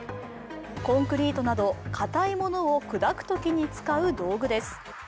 コンクリートなどかたいものを砕くときに使う道具です。